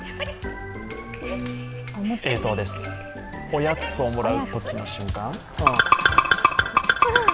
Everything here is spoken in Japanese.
おやつをもらうときの瞬間。